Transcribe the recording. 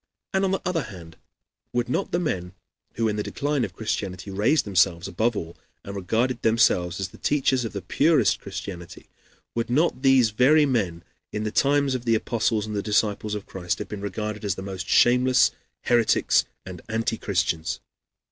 And, on the other hand, would not the men who, in the decline of Christianity raised themselves above all, and regarded themselves as the teachers of the purest Christianity, would not these very men, in the times of the apostles and disciples of Christ, have been regarded as the most shameless heretics and anti Christians?"